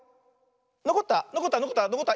のこったのこったのこったのこった。